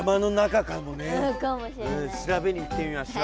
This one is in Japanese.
調べに行ってみましょう！